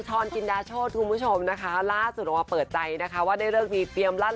ชอนกินด้าโชทุมูชมนะคะราสวัตที่มาเป็นใจนะคะว่าได้เรียนร่าง